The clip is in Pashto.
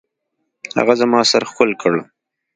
هغه زما سر ښكل كړ.